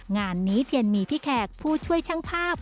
งานนี้เพียนมีพี่แขกผู้ช่วยช่างภาพ